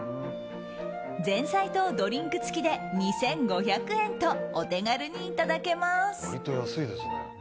前菜とドリンク付きで２５００円とお手軽にいただけます。